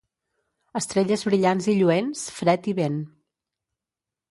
Estrelles brillants i lluents, fred i vent.